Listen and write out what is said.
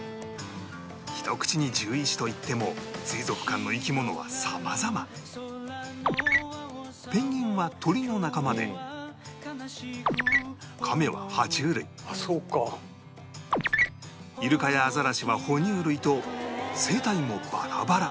ひと口に獣医師といっても水族館の生き物はさまざまペンギンは鳥の仲間でカメは爬虫類あっそうか。イルカやアザラシは哺乳類と生態もバラバラ